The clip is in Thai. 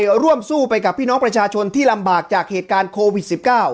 ร่วมสู้ไปกับพี่น้องประชาชนที่ลำบากจากเหตุการณ์โควิด๑๙